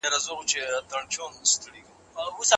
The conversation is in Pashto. پلار به یې د ماښام له لمانځه وروسته کور ته راشي.